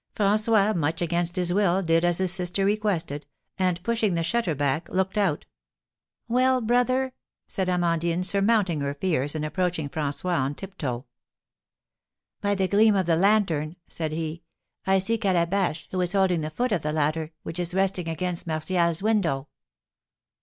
François, much against his will, did as his sister requested, and pushing the shutter back, looked out. "Well, brother?" said Amandine, surmounting her fears, and approaching François on tiptoe. "By the gleam of the lantern," said he, "I see Calabash, who is holding the foot of the ladder, which is resting against Martial's window."